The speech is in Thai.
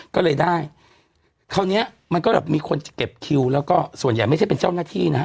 ก็เลยได้คราวเนี้ยมันก็แบบมีคนจะเก็บคิวแล้วก็ส่วนใหญ่ไม่ใช่เป็นเจ้าหน้าที่นะฮะ